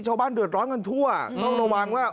ชาวบ้านเดือดร้อนกันทั่วต้องระวังว่า